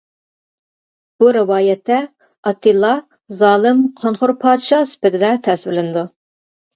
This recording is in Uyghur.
بۇ رىۋايەتتە ئاتتىلا زالىم، قانخور پادىشاھ سۈپىتىدە تەسۋىرلىنىدۇ.